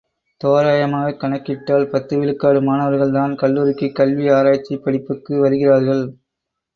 தோராயமாகக் கணக்கிட்டால் பத்து விழுக்காடு மாணவர்கள் தான் கல்லூரிக் கல்விக்கு ஆராய்ச்சிப் படிப்புக்கு வருகிறார்கள்.